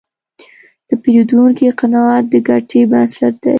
د پیرودونکي قناعت د ګټې بنسټ دی.